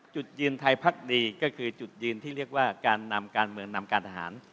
จุดยืนไทยพักดีก็คือจุดยืนที่เรียกว่าการนำการเมืองนำการทหาร